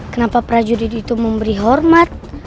kenapa prajurit itu memberi hormat